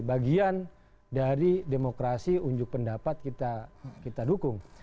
bagian dari demokrasi unjuk pendapat kita dukung